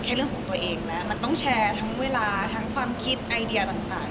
แค่เรื่องของตัวเองนะมันต้องแชร์ทั้งเวลาทั้งความคิดไอเดียต่าง